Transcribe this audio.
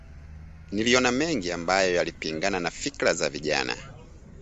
Niliona mengi ambayo yalipingana na fikra za vijana